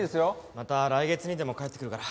また来月にでも帰ってくるから。